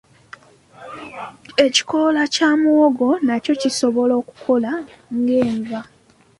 Ekikola kya muwogo nakyo kisobola okukoa nga enva.